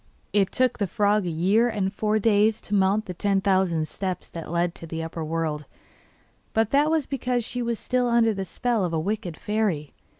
It took the frog a year and four days to mount the ten thousand steps that led to the upper world, but that was because she was still under the spell of a wicked fairy.